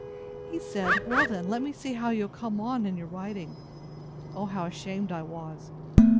He said, Well then, let me see how you are come on in your writing! O how ashamed I was!